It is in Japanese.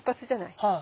はい。